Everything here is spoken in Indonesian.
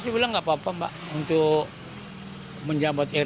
saya bilang enggak apa apa mbak untuk menjabat rt lima tahun